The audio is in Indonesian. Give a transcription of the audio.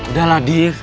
udah lah diev